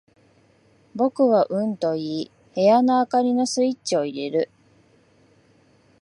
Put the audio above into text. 僕はうんと言い、部屋の灯りのスイッチを入れる。